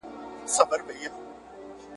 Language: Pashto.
مشرانو د صابر شاه پرېکړه څنګه ومنله؟